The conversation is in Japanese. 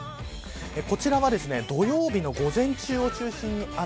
こちらは土曜日の午前中を中心に雨。